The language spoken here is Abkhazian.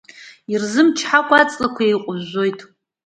Ирзымычҳакәа аҵлақәа еиҟәыжәжәоит.